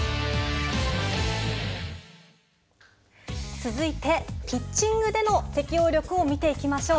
続いてピッチングでの適応力を見ていきましょう。